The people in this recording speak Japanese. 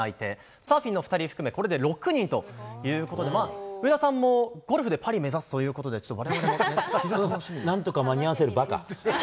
サーフィンの２人含めこれで６人ということで、上田さんもゴルフでパリ目指すということで、なんとか間に合わせる、ばか。